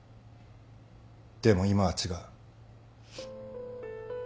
でも今は違う。